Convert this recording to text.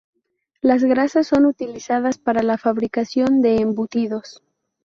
Las grasas son utilizadas para la fabricación de embutidos.